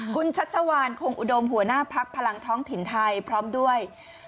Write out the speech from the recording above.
คุณชัชวานคงอุดมหัวหน้าพักพลังท้องถิ่นไทยพร้อมด้วย